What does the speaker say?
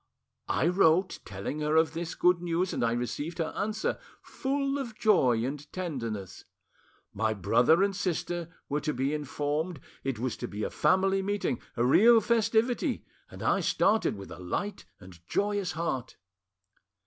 I wrote, telling her of this good news, and I received her answer—full of joy and tenderness. My brother and sister were to be informed, it was to be a family meeting, a real festivity; and I started with a light and joyous heart.